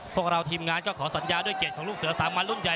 พวกเราทีมงานก็ขอสัญญาด้วยเกียรติของลูกเสือสามัญรุ่นใหญ่